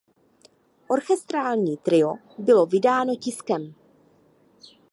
Orchestrální trio bylo vydáno tiskem.